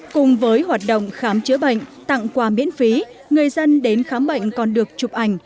cùng với hoạt động khám chữa bệnh tặng quà miễn phí người dân đến khám bệnh còn được chụp ảnh